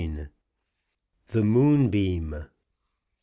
THE MOONBEAM.